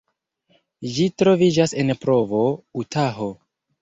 Ĝi troviĝas en Provo, Utaho.